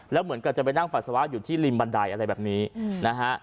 แล้วเหมือนกับจะไปนั่งปัสสาวะอยู่ที่ริมบันไดอะไรแบบนี้นะฮะ